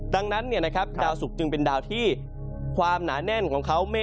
ดังนั้นเนี่ยนะครับดาวสุกจึงเป็นดาวที่ความหนาแน่นของเขา